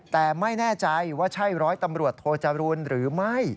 แต่ไม่แน่ใจว่าใช่ร้อยตำรวจโทจรูลหรือไม่